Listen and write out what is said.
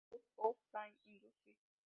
Bureau of Plant Industry.